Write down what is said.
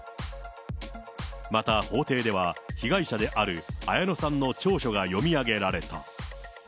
また法廷では、被害者である綾野さんの調書が読み上げられた。